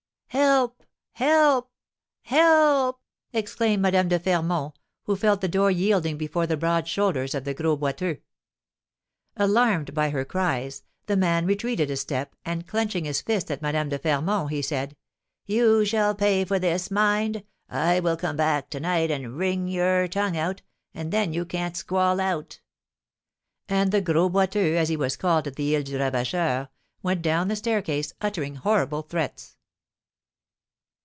"Help, help, help!" exclaimed Madame de Fermont, who felt the door yielding before the broad shoulders of the Gros Boiteux. Alarmed by her cries, the man retreated a step; and clenching his fist at Madame de Fermont, he said: "You shall pay me for this, mind. I will come back to night and wring your tongue out, and then you can't squall out." And the Gros Boiteux, as he was called at the Isle du Ravageur, went down the staircase, uttering horrible threats.